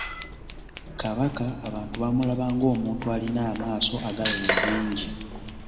Kabaka abantu bamulaba ng’omuntu alina amaaso agalaba ebingi.